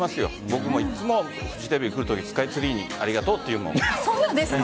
僕もいつもフジテレビ来る時スカイツリーにありがとうと言うもん。